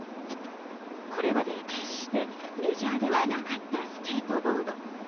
これまで決してメジャーではなかったスケートボード。